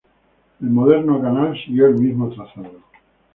El moderno canal siguió el mismo trazado.